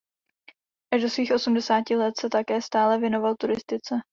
Až do svých osmdesáti let se také stále věnoval turistice.